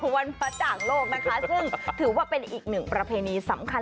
วันพระจ่างโลกนะคะซึ่งถือว่าเป็นอีกหนึ่งประเพณีสำคัญ